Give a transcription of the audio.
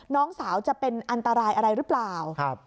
น้องสาวจะเป็นอันตรายอะไรหรือเปล่า